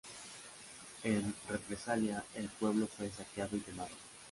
En represalia, el pueblo fue saqueado y quemado.